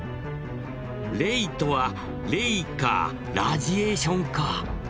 「レイとは『霊』か『ラジエーション』か」。